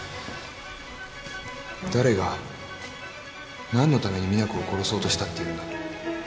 誰が何のために実那子を殺そうとしたって言うんだ。